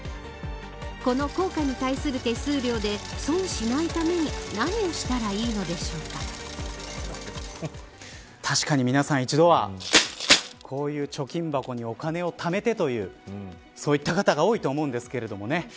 この、硬貨に対する手数料で損しないために確かに皆さん、一度はこういう貯金箱にお金をためてというそういった方が多いと思うんですけどね。